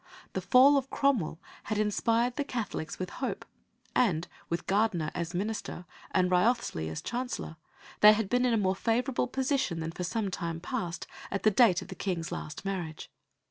The fall of Cromwell had inspired the Catholics with hope, and, with Gardiner as Minister and Wriothesley as Chancellor, they had been in a more favourable position than for some time past at the date of the King's last marriage.